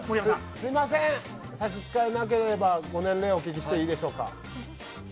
すみません、差し支えなければ、ご年齢、お聞きしてよろしいでしょうか。